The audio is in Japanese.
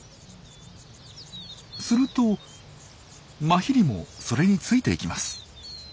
するとマヒリもそれについていきます。